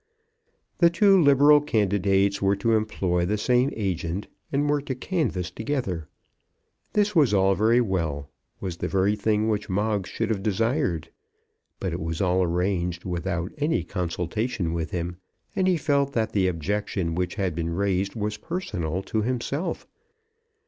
The two liberal candidates were to employ the same agent, and were to canvass together. This was all very well, was the very thing which Moggs should have desired. But it was all arranged without any consultation with him, and he felt that the objection which had been raised was personal to himself.